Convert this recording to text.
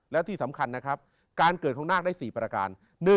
และที่สำคัญนะครับการเกิดของนาคได้๔ประการ